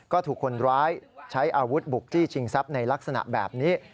ก็ถูกคนร้ายใช้อาวุธบุกจี้ชิงทรัพย์ในลักษณะแบบนี้